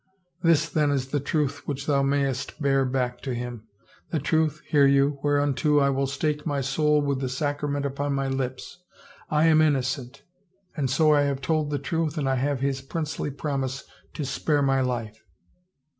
" This then is the truth which thou mayst bear back to him — the truth, hear you, whereunto I will stake my soul with the sacrament upon my lips. I am inno cent. And so I have told the truth and I have his princely promise to spare my life.